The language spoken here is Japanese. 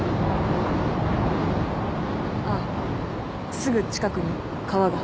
あっすぐ近くに川が。